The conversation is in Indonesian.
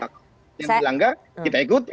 yang dilanggar kita ikuti